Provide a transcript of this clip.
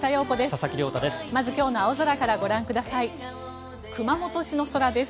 佐々木亮太です。